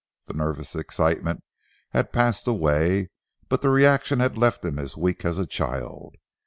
The nervous excitement had passed away, but the reaction had left him as weak as a child.